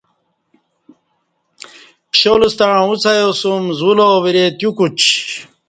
پشال ستݩع اُڅ ایاسوم زولاوری تیو کو چی